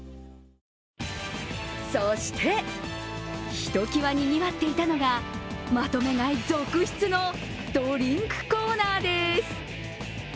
そして、ひときわ賑わっていたのがまとめ買い続出のドリンクコーナーです。